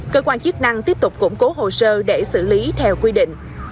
cơ quan chức năng tiếp tục củng cố hồ sơ để xử lý theo quy định